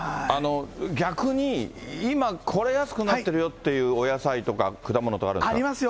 逆に今、これ安くなってるよっていうお野菜とか果物とかあるんですか。